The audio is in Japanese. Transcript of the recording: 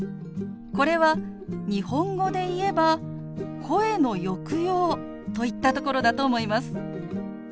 これは日本語でいえば声の抑揚といったところだと思います。